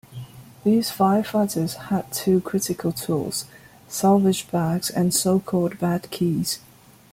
These firefighters had two critical tools: salvage bags and so-called bed keys.